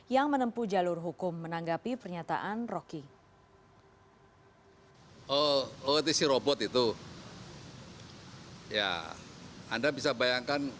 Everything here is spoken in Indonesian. yang menempuh jalur hukum menanggapi pernyataan rocky